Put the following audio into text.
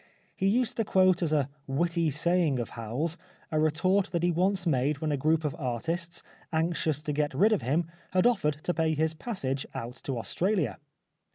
He used to quote as a witty saying of Howell's a retort that he once made when a group of artists, anxious to get rid of him, had offered to pay his passage out to Australia.